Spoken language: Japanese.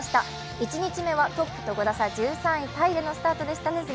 １日目はトップと５打差、１３位でのスタートでした。